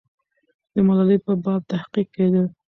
د ملالۍ په باب تحقیق کېده.